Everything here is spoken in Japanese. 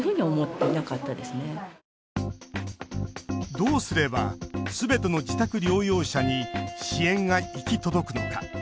どうすればすべての自宅療養者に支援が行き届くのか。